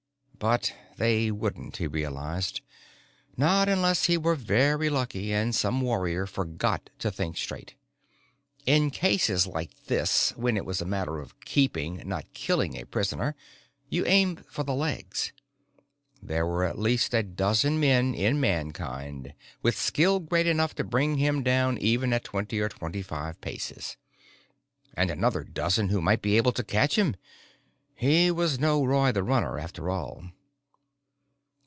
But they wouldn't, he realized. Not unless he were very lucky and some warrior forgot to think straight. In cases like this, when it was a matter of keeping, not killing a prisoner, you aimed for the legs. There were at least a dozen men in Mankind with skill great enough to bring him down even at twenty or twenty five paces. And another dozen who might be able to catch him. He was no Roy the Runner, after all.